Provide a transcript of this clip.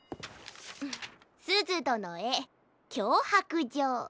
「すずどのへきょうはくじょう」。